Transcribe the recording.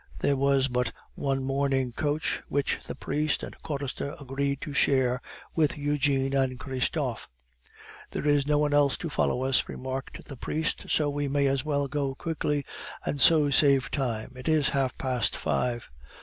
There was but one mourning coach, which the priest and chorister agreed to share with Eugene and Christophe. "There is no one else to follow us," remarked the priest, "so we may as well go quickly, and so save time; it is half past five."